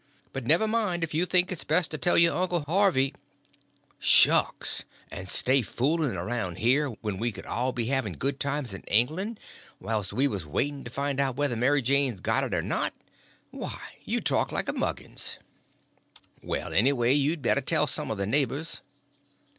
But never mind, if you think it's best to tell your uncle Harvey—" "Shucks, and stay fooling around here when we could all be having good times in England whilst we was waiting to find out whether Mary Jane's got it or not? Why, you talk like a muggins." "Well, anyway, maybe you'd better tell some of the neighbors."